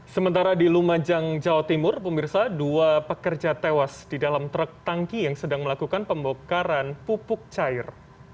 sementara di lumajang jawa timur pemirsa dua pekerja tewas di dalam truk tangki yang sedang melakukan pembongkaran pupuk cair